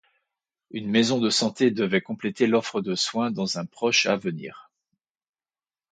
Une maison de santé devait compléter l'offre de soins dans un proche avenir.